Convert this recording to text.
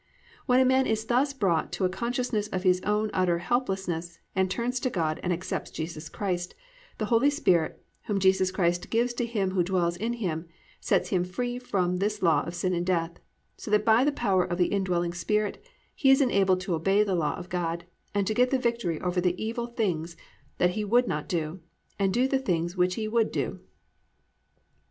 When a man is thus brought to a consciousness of his own utter helplessness and turns to God and accepts Jesus Christ, the Holy Spirit, whom Jesus Christ gives to him who dwells in him, sets him free from this law of sin and death so that by the power of the indwelling Spirit he is enabled to obey the law of God and to get the victory over the evil things that he would not do and to do the things which he would do.